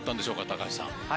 高橋さん。